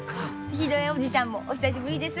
ヒデオ叔父ちゃんもお久しぶりです。